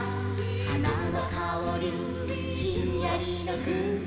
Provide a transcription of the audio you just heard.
「はなのかおりひんやりのくうき」